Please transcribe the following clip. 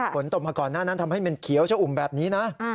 ฝนตกมาก่อนหน้านั้นทำให้มันเขียวชะอุ่มแบบนี้นะ